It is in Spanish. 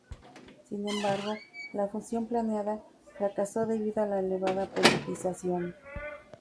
Sin embargo, la fusión planeada fracasó debido a la elevada politización.